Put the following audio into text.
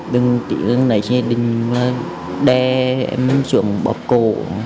đừng tỉ lưng đẩy chế đình lên đe em xuống bóp cổ